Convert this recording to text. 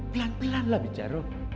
pelan pelan lah bicara